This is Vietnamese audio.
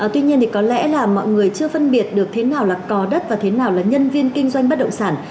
tuy nhiên thì có lẽ là mọi người chưa phân biệt được thế nào là có đất và thế nào là nhân viên kinh doanh bất động sản